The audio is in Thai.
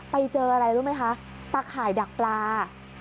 ไปเจออะไรรู้ไหมคะตาข่ายดักปลา